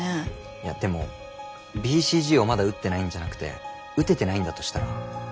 いやでもＢＣＧをまだ打ってないんじゃなくて打ててないんだとしたら。